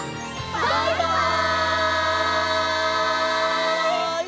バイバイ！